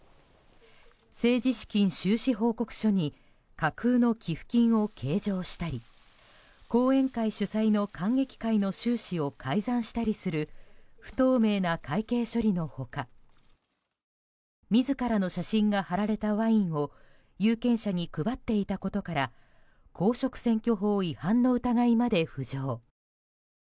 政治資金収支報告書に架空の寄付金を計上したり後援会主催の観劇会の収支を改ざんしたりする不透明な会計処理の他自らの写真が貼られたワインを有権者に配っていたことから公職選挙法違反の疑いまで浮上。